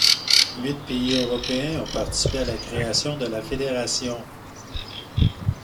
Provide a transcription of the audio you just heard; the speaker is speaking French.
Huit pays européens ont participé à la création de la fédération.